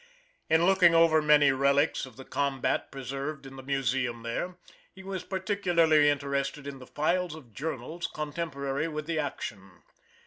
In looking over many relics of the combat preserved in the Museum there, he was particularly interested in the files of journals contemporary with the action.